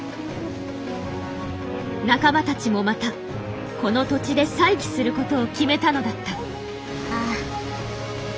仲間たちもまたこの土地で再起することを決めたのだった。